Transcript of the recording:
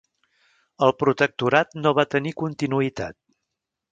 El protectorat no va tenir continuïtat.